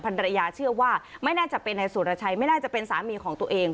ภรรยาเชื่อว่าไม่น่าจะเป็นนายสุรชัยไม่น่าจะเป็นสามีของตัวเอง